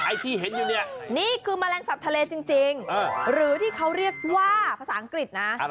ที่เห็นอยู่เนี่ยนี่คือแมลงสับทะเลจริงหรือที่เขาเรียกว่าภาษาอังกฤษนะ